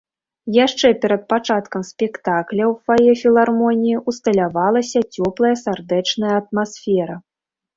Яшчэ перад пачаткам спектакля ў фае філармоніі ўсталявалася цёплая сардэчная атмасфера.